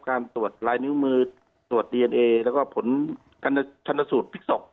การตรวจลายนิ้วมือตรวจดีเอนเอแล้วก็ผลการชนสูตรพลิกศพ